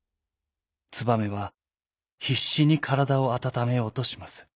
ツバメはひっしにからだをあたためようとします。